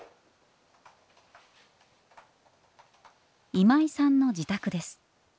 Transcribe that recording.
今井さんの自宅です。